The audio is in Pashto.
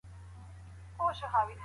دا پروژه کوم ځانګړی سوداګریز عاید نه لري.